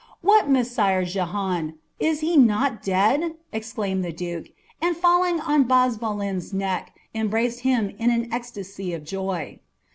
^ What, Messire Jehan ! is he not dead ?" exclaimed the duke, and, fclling on Bazvalen's neck, embraced him in an ecstasy of joy.